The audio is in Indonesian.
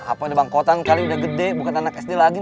apa ini bangkotan kali udah gede bukan anak sd lagi